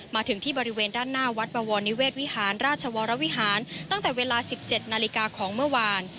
มาถึงที่บริเวณด้านหน้าวัดบวรนิเวศวิหารราชวรวิหารตั้งแต่เวลา๑๗นาฬิกาของเมื่อวาน